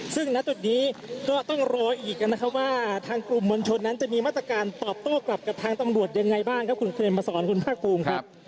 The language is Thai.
ซึ่งณจุดนี้ก็ต้องรออีกนะครับว่าทางกลุ่มมวลชนนั้นจะมีมาตรการตอบโต้กลับกับทางตำรวจยังไงบ้างครับคุณเครมมาสอนคุณภาคภูมิครับ